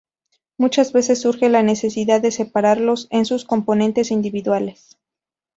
Muchas veces surge la necesidad de separarlos en sus componentes individuales.